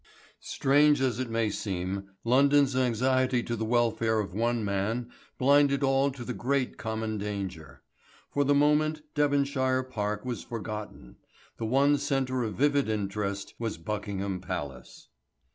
Strange as it may seem, London's anxiety as to the welfare of one man blinded all to the great common danger. For the moment Devonshire Park was forgotten. The one centre of vivid interest was Buckingham Palace.